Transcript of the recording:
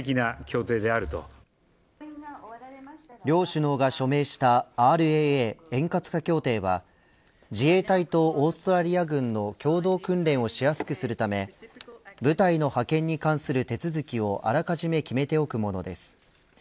両首脳が署名したＲＡＡ円滑化協定は自衛隊とオーストラリア軍の共同訓練をしやすくするため部隊の派遣に関する手続きをあらかじめ決めておくものです。